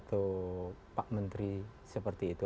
jadi pak menteri seperti itu